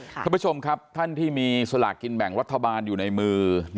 ท่านผู้ชมครับท่านที่มีสลากกินแบ่งรัฐบาลอยู่ในมือ